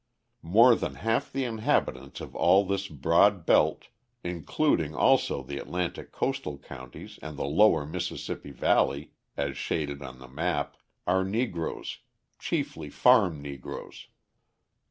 More than half the inhabitants of all this broad belt, including also the Atlantic coastal counties and the lower Mississippi Valley (as shaded on the map), are Negroes, chiefly farm Negroes.